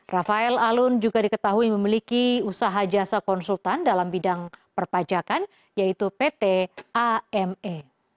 rafael alun juga diketahui memiliki usaha jasa konsultan dalam bidang perpajakan yaitu pt ame